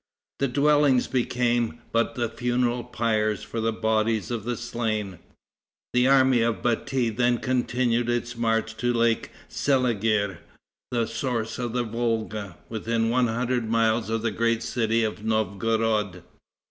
The dwellings became but the funeral pyres for the bodies of the slain. The army of Bati then continued its march to lake Seliger, the source of the Volga, within one hundred miles of the great city of Novgorod.